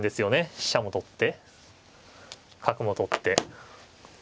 飛車も取って角も取って。